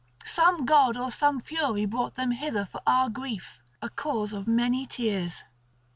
Some god or some Fury brought them hither for our grief, a cause of many tears.